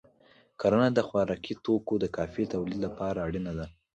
کرنه د خوراکي توکو د کافی تولید لپاره اړینه ده.